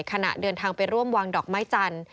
ขณะเดินทางไปร่วมวางดอกไม้จันทร์